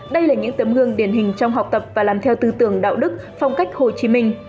đây là những tấm gương điển hình trong học tập và làm theo tư tưởng đạo đức phong cách hồ chí minh